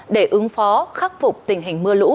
để ứng phó khắc phục tình hình mưa lụt